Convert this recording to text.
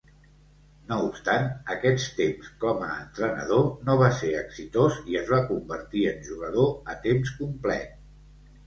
No obstant, aquest temps com a entrenador no va ser exitós i es va convertir en jugador a temps complet.